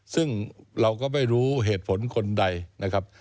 ซึ่งเราก็ไม่รู้เหตุผลคนใดนะครับ